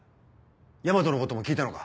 大和のことも聞いたのか？